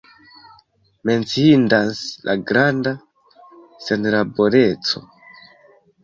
Menciindas la granda senlaboreco.